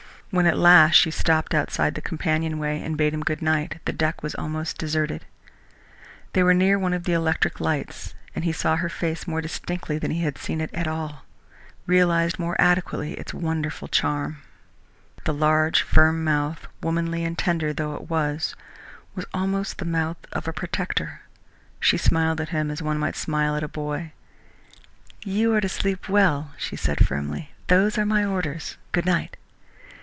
When at last she stopped outside the companionway and bade him good night, the deck was almost deserted. They were near one of the electric lights, and he saw her face more distinctly than he had seen it at all, realised more adequately its wonderful charm. The large, firm mouth, womanly and tender though it was, was almost the mouth of a protector. She smiled at him as one might smile at a boy. "You are to sleep well," she said firmly. "Those are my orders. Good night!"